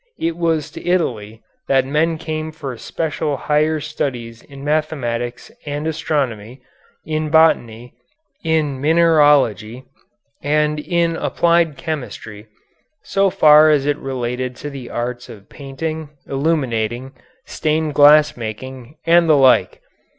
It was to Italy that men came for special higher studies in mathematics and astronomy, in botany, in mineralogy, and in applied chemistry, so far as it related to the arts of painting, illuminating, stained glass making, and the like.